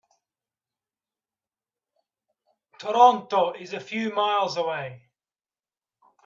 Toronto is a few miles away.